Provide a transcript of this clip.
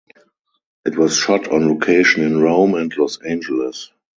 It was shot on location in Rome and Los Angeles.